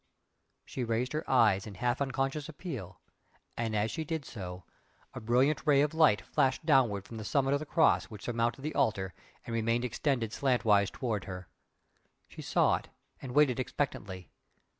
She raised her eyes in half unconscious appeal and, as she did so, a brilliant Ray of light flashed downward from the summit of the Cross which surmounted the Altar, and remained extended slantwise towards her. She saw it, and waited expectantly.